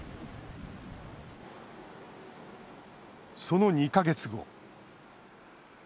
その２か月後。